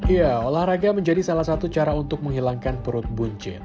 ya olahraga menjadi salah satu cara untuk menghilangkan perut buncit